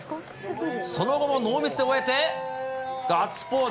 その後もノーミスで終えて、ガッツポーズ。